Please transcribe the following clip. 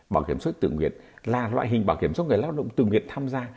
bảo hiểm xuất tự nguyện là loại hình bảo hiểm xuất người lao động tự nguyện tham gia